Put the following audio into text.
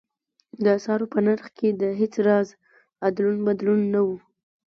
د اسعارو په نرخ کې هېڅ راز ادلون بدلون نه و.